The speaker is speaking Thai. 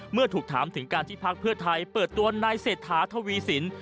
เมื่อถูกถามถึงการที่พักเพื่อไทยเปิดตัวนายเศรษฐาทวีสิน